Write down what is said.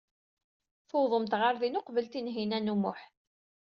Tuwḍemt ɣer din uqbel Tinhinan u Muḥ.